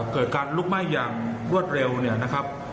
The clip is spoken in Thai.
เกิดการลุกไหม้อย่างรวดเร็วเนี่ยนะครับ